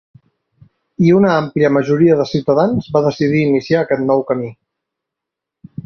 I una àmplia majoria de ciutadans va decidir iniciar aquest nou camí.